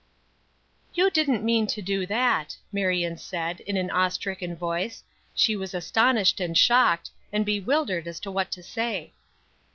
"You didn't mean to do that!" Marion said, in an awe stricken voice; she was astonished and shocked, and bewildered as to what to say.